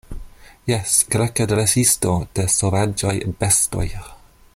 Jes, Greka dresisto de sovaĝaj bestoj.